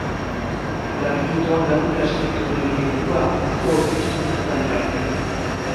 Labirintoan galduta sentitu nuen nire burua zu aurkitu zintudanera arte.